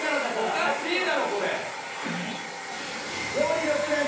おかしいだろこれ。